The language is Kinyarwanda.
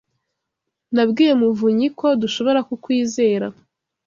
Nabwiye Muvunyi ko dushobora kukwizera.